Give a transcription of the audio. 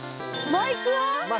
マイクワ。